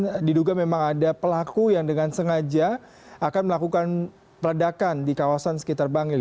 dan diduga memang ada pelaku yang dengan sengaja akan melakukan peledakan di kawasan sekitar bangil